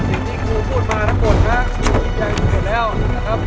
อันนี้ก็คือพูดมาแล้วโปรดนะครับวิทยาลัยพูดหมดแล้วนะครับ